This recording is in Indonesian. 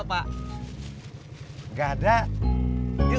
tak ada upaya